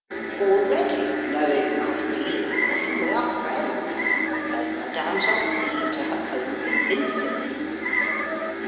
Already, knowing my feeling for him, we are friends as Madame shall see to her own convincing."